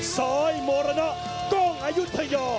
สอยมรณะต้องอายุทัย